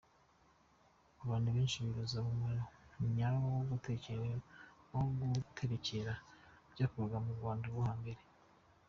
Abantu benshi, bibaza umumaro nyawo wo guterekera, byakorwaga mu Rwanda rwo hambere.